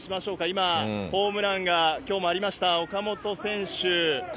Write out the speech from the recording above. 今、ホームランがきょうもありました、岡本選手。